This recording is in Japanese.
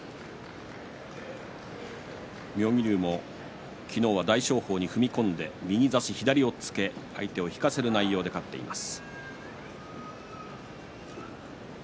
妙義龍も昨日は大翔鵬に踏み込んで右差し左押っつけ相手を引かせる内容で勝っています。